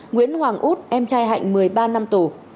nguyễn hoàng út em trai hạnh một mươi ba năm tù